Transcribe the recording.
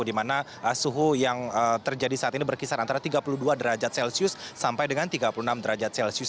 di mana suhu yang terjadi saat ini berkisar antara tiga puluh dua derajat celcius sampai dengan tiga puluh enam derajat celcius